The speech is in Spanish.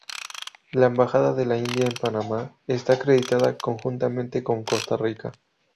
La Embajada de la India en Panamá está acreditada conjuntamente con Costa Rica.